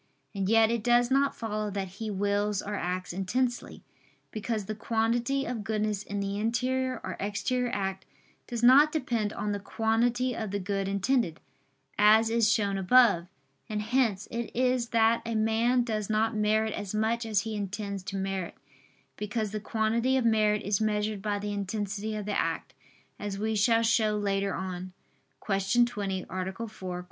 And yet it does not follow that he wills or acts intensely; because the quantity of goodness in the interior or exterior act does not depend on the quantity of the good intended, as is shown above. And hence it is that a man does not merit as much as he intends to merit: because the quantity of merit is measured by the intensity of the act, as we shall show later on (Q. 20, A. 4; Q.